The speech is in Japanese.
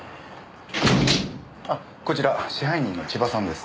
あっこちら支配人の千葉さんです。